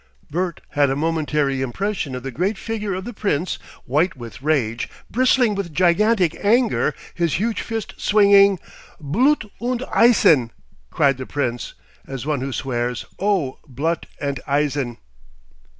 Bert had a momentary impression of the great figure of the Prince, white with rage, bristling with gigantic anger, his huge fist swinging. "Blut und Eisen!" cried the Prince, as one who swears. "Oh! Blut und Eisen!"